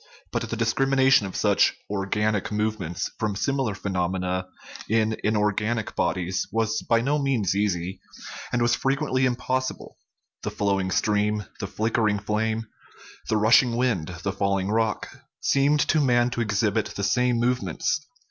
But the discrimination of such " organic movements " from similar phenomena in inorganic bodies was by no means easy, and was frequently impossible ; the flowing stream, the flicker ing flame, the rushing wind, the falling rock, seemed to man to exhibit the same movements.